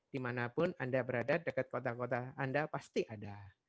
dimanapun anda berada dekat kota kota anda pasti ada